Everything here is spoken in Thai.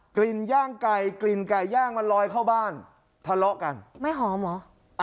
ย่างไก่กลิ่นไก่ย่างมันลอยเข้าบ้านทะเลาะกันไม่หอมเหรอ